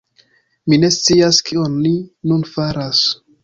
Mi ne scias kion ni nun faras...